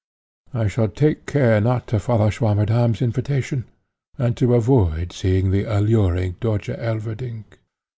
I shall take care not to follow Swammerdamm's invitation, and to avoid seeing the alluring Dörtje Elverdink."